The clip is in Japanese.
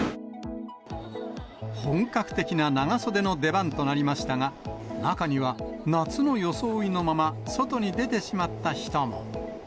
本格的な長袖の出番となりましたが、中には夏の装いのまま、外に出てしまった人も。